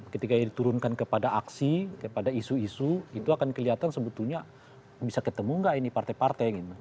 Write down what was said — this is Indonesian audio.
ketika diturunkan kepada aksi kepada isu isu itu akan kelihatan sebetulnya bisa ketemu nggak ini partai partai gitu